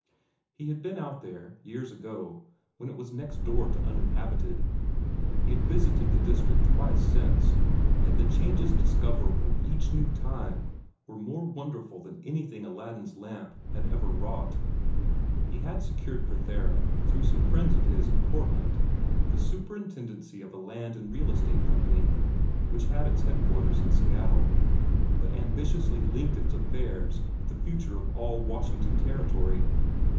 He had been out there, years ago, when it was next door to uninhabited. He had visited the district twice since, and the changes discoverable each new time were more wonderful than anything Aladdin's lamp ever wrought. He had secured for Theron, through some of his friends in Portland, the superintendency of a land and real estate company, which had its headquarters in Seattle, but ambitiously linked its affairs with the future of all Washington Territory.